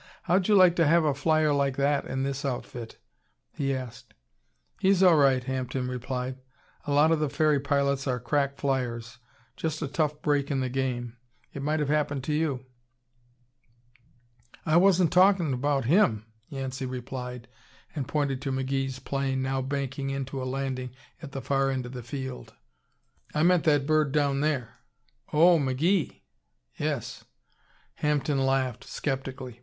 "How'd you like to have a flyer like that in this outfit?" he asked. "He's all right," Hampden replied. "A lot of the ferry pilots are crack flyers just a tough break in the game. It might have happened to you." "I wasn't talkin' about him" Yancey replied and pointed to McGee's plane, now banking in to a landing at the far end of the field. "I meant that bird down there." "Oh, McGee?" "Yes." Hampden laughed, skeptically.